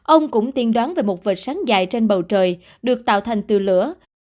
ông cũng tiên đoán về một vật sáng dài trên bầu trời được tạo thành từ lửa